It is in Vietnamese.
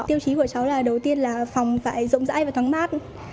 tiêu chí của cháu là đầu tiên là phòng phải rộng rãi và thoáng mát